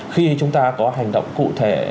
khi chúng ta có hành động cụ thể